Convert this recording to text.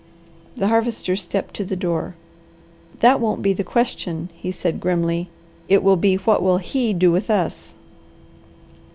The Harvester stepped to the door. "That won't be the question," he said grimly. "It will be what will HE do with us?"